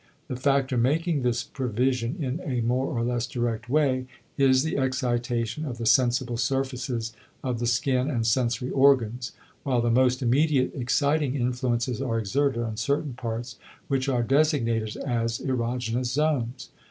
The factor making this provision in a more or less direct way is the excitation of the sensible surfaces of the skin and sensory organs, while the most immediate exciting influences are exerted on certain parts which are designated as erogenous zones.